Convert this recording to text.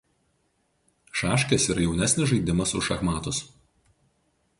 Šaškės yra jaunesnis žaidimas už šachmatus.